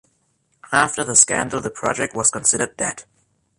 After the scandal, the project was considered dead.